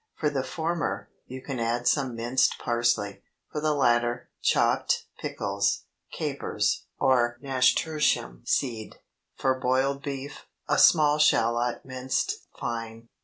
For the former, you can add some minced parsley; for the latter, chopped pickles, capers, or nasturtium seed. For boiled beef, a small shallot minced fine.